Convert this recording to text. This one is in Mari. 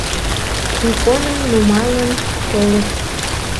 Иконым нумалын толыт.